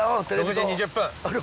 ６時２０分。